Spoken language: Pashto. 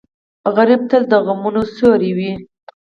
غریب تل د غمونو سیوری وي